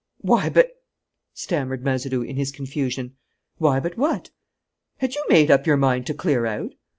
"Why, but " stammered Mazeroux, in his confusion. "Why but what?" "Had you made up your mind to clear out?"